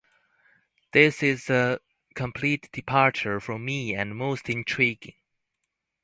It is a complete departure for me and most intriguing.